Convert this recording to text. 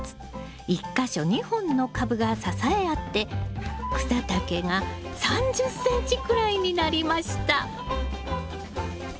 １か所２本の株が支え合って草丈が３０ｃｍくらいになりました。